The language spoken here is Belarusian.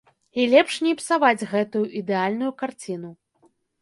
І лепш не псаваць гэтую ідэальную карціну.